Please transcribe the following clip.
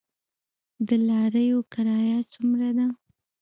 د لاریو کرایه څومره ده؟